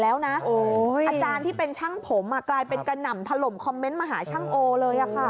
อาจารย์ที่เป็นช่างผมกลายเป็นกระหน่ำถล่มคอมเมนต์มาหาช่างโอเลย